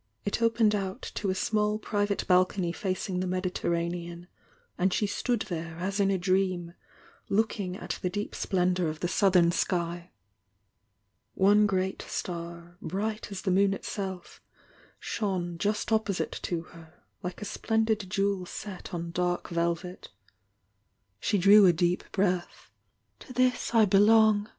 It opened out to a small private balcony facmg fee Mediterranean, and she stood there as in a dream, looking at the deep splendour of the southern sky. One great star, bright as the moon itself, shone just opposite to her, like a splendid jewel set on dark velvet. She drew a deep breath. "To this I belong!"